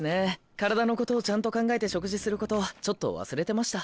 体のことをちゃんと考えて食事することちょっと忘れてました。